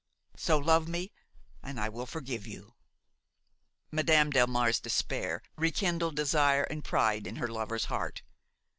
So love me, and I will forgive you." Madame Delmare's despair rekindled desire and pride in her lover's heart.